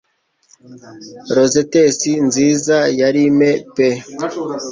rosettes nziza ya lime pe